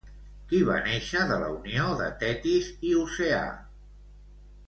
Qui va néixer de la unió de Tetis i Oceà?